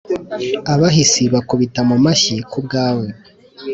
Abahisi bakubita mu mashyi ku bwawe,